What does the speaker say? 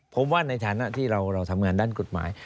ผมว่าในฐานะที่เราทำงานด้านกฎหมาย